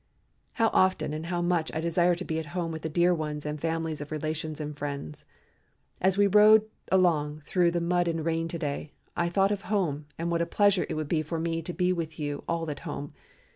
"How often and how much I desire to be at home with the dear ones and families of relations and friends. As we rode along through the mud and rain to day I thought of home and what a pleasure it would be for me to be with you all at home.